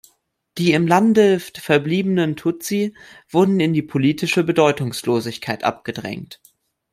Die im Lande verbliebenen Tutsi wurden in die politische Bedeutungslosigkeit abgedrängt.